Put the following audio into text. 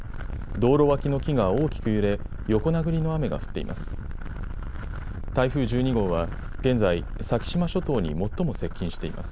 道路脇の木が大きく揺れ、横殴りの雨が降っています。